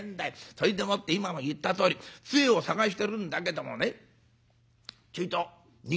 それでもって今も言ったとおりつえを探してるんだけどもねちょいと握ってみたんだよ。